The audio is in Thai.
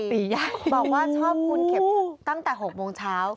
บอกว่าชอบคุณเข็มตั้งแต่๖โมงเช้า